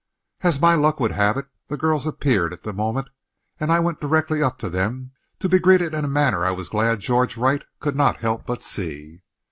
As my luck would have it, the girls appeared at the moment, and I went directly up to them, to be greeted in a manner I was glad George Wright could not help but see.